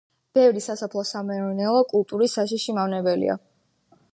ბევრი სასოფლო-სამეურნეო კულტურის საშიში მავნებელია.